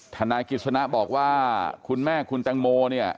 ธนาคิสชนะบอกว่าคุณแม่คุณแตงโม